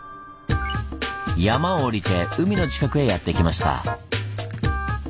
山を下りて海の近くへやって来ました。